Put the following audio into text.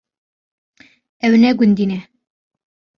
Ew ne gundî ne.